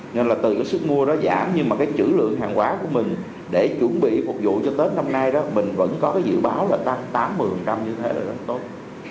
nên là từ cái sức mua đó giảm nhưng mà cái chữ lượng hàng quá của mình để chuẩn bị phục vụ cho tết năm nay đó mình vẫn có cái dự báo là tăng tám mươi như thế là rất tốt